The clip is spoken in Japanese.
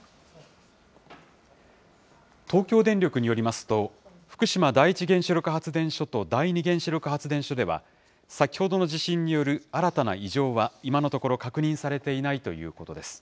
東京電力によりますと、福島第一原子力発電所と第二原子力発電所では、先ほどの地震による新たな異常は今のところ、確認されていないということです。